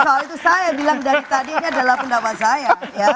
soalnya itu saya bilang dari tadinya adalah pendapat saya